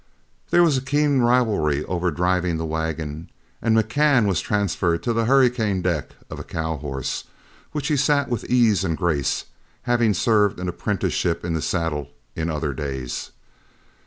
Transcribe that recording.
There was a keen rivalry over driving the wagon, and McCann was transferred to the hurricane deck of a cow horse, which he sat with ease and grace, having served an apprenticeship in the saddle in other days.